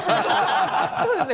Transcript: そうですよね。